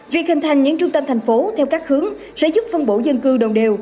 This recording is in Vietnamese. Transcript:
việc hình thành những trung tâm thành phố theo các hướng sẽ giúp phân bổ dân cư đồng đều